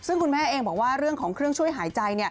ซึ่งคุณแม่เองบอกว่าเรื่องของเครื่องช่วยหายใจ